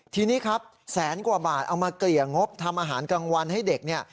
ทีนี้ครับแสนกว่าบาทเอามาเกลี่ยงบทำอาหารกลางวันให้เด็กเนี่ย